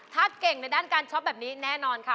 ถ้าเก่งในด้านการช็อปแบบนี้แน่นอนค่ะ